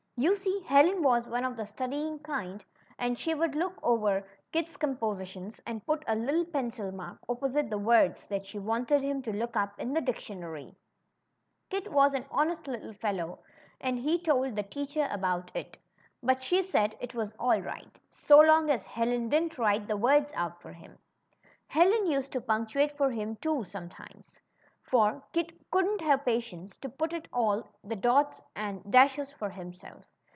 You see Helen was one of the studying kind, and she would look over Kit's compositions and put a little pencil mark opposite the words that she wanted him to look up in the dictionary. CHRISTOPHER'S "AT HOME.' 129 Kit was an honest little fellow, and he told the teacher abont it ; but she said it was all right, so long as Helen didn't write the words out for him. Helen used to punctuate for him, too, sometimes ; for Kit couldn't have patience to put in all the dots and dashes for himself.